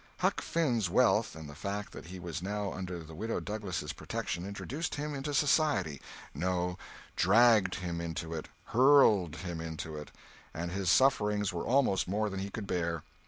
Huck Finn's wealth and the fact that he was now under the Widow Douglas' protection introduced him into society—no, dragged him into it, hurled him into it—and his sufferings were almost more than he could bear.